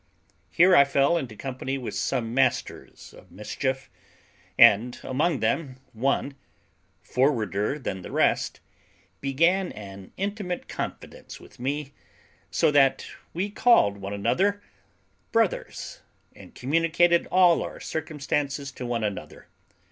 Here I fell into company with some masters of mischief; and, among them, one, forwarder than the rest, began an intimate confidence with me, so that we called one another brothers, and communicated all our circumstances to one another.